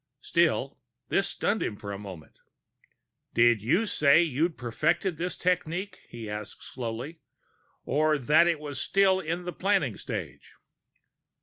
Still, this stunned him for a moment. "Did you say you'd perfected this technique?" he asked slowly. "Or that it was still in the planning stage?"